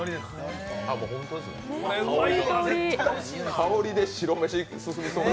香りで白飯進みそう。